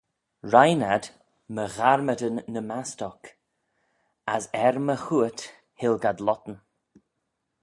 Rheynn ad my gharmadyn ny mast'oc: as er my chooat hilg ad lottyn.